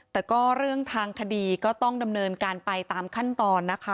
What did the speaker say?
แต่ก็เรื่องทางคดีก็ต้องดำเนินการไปตามขั้นตอนนะคะ